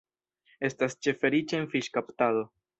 Estas ĉefe riĉa en fiŝkaptado.